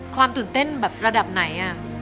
ความตื่นเต้นแบบระดับไหน